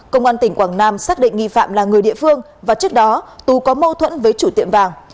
công an tỉnh quảng nam xác định nghi phạm là người địa phương và trước đó tú có mâu thuẫn với chủ tiệm vàng